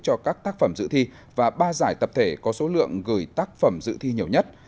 cho các tác phẩm dự thi và ba giải tập thể có số lượng gửi tác phẩm dự thi nhiều nhất